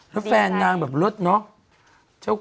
แล้วแฟนนางแบบเลิศเนาะ